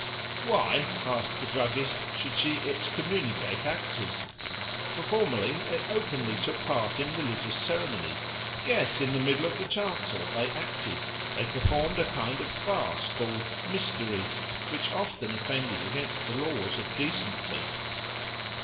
"Why," asked the druggist, "should she excommunicate actors? For formerly they openly took part in religious ceremonies. Yes, in the middle of the chancel they acted; they performed a kind of farce called 'Mysteries,' which often offended against the laws of decency."